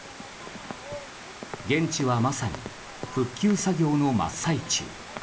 現地はまさに復旧作業の真っ最中。